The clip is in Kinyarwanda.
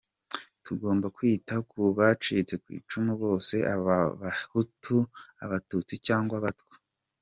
Tugomba kwita kubacitse kwicumu bose, aba abahutu, abatutsi cyangwa abatwa.